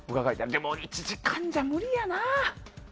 でも、１時間じゃ無理やな。